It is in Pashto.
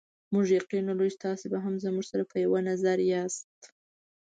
موږ یقین لرو چې تاسې به هم زموږ سره په یوه نظر یاست.